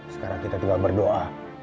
sekarang kita tinggal berdoa